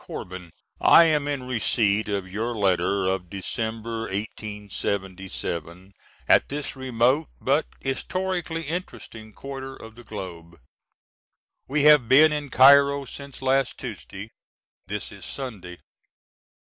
CORBIN: I am in receipt of your letter of December '77 at this remote, but historically interesting quarter of the globe. We have been in Cairo since last Tuesday. This is Sunday.